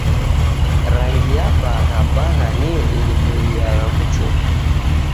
Rangi ya bagha bagha niyo iniboiaa kuchumba.